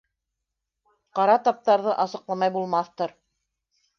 - Ҡара таптарҙы асыҡламай булмаҫтыр.